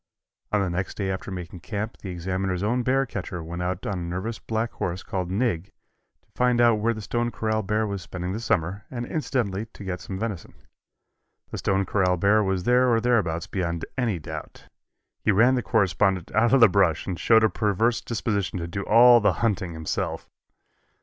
On the next day after making camp the Examiner's own bear catcher went out on a nervous black horse called "Nig" to find out where the Stone Corral bear was spending the summer and incidentally to get some venison. The Stone Corral bear was there or thereabouts beyond any doubt. He ran the correspondent out of the brush and showed a perverse disposition to do all the hunting himself.